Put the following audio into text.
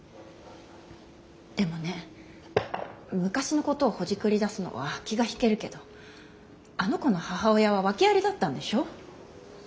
でもね昔のことをほじくり出すのは気が引けるけどあの子の母親は訳ありだったんでしょ。